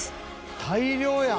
大漁やん。